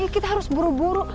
kita harus buru buru